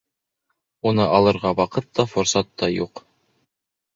Уны алырға ваҡыт та, форсат та юҡ.